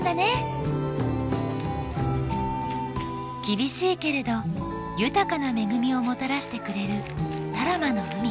厳しいけれど豊かな恵みをもたらしてくれる多良間の海。